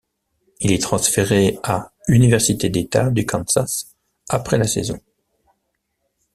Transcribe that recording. Il est transféré à Université d'État du Kansas après la saison.